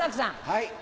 はい。